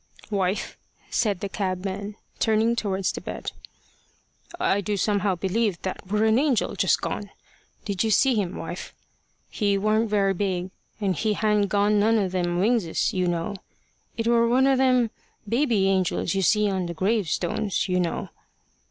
"Wife," said the cabman, turning towards the bed, "I do somehow believe that wur a angel just gone. Did you see him, wife? He warn't wery big, and he hadn't got none o' them wingses, you know. It wur one o' them baby angels you sees on the gravestones, you know."